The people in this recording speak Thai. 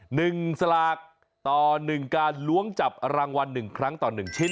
หนึ่งสลากต่อหนึ่งการล้วงจับรางวัล๑ครั้งต่อ๑ชิ้น